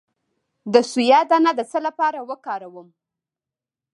د سویا دانه د څه لپاره وکاروم؟